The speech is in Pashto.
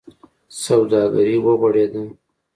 سوداګري و غوړېده.